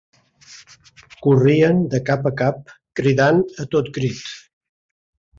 Corrien de cap a cap, cridant a tot crit